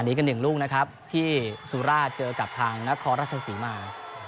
อันนี้ก็เป็นหนึ่งลูกนะครับที่สูราคมเจอกับทางนครรัฐสีมา